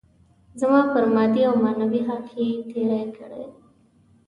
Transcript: زما پر مادي او معنوي حق يې تېری کړی.